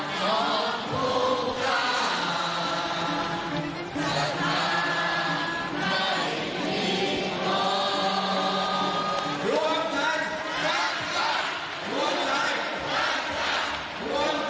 รวมใจสรรค์